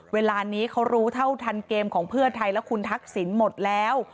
เวลานี้เขารู้เท่าทันเกมของเพื่อไทยและคุณทักษิณหมดแล้ว